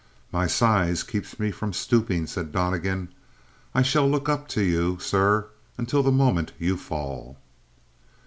"My size keeps me from stooping," said Donnegan, "I shall look up to you, sir, until the moment you fall."